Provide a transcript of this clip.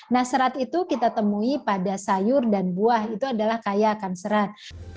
nah serat itu kita temui pada sayur dan buah itu adalah kaya akan serat